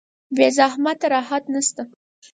بې زحمته راحت نشته.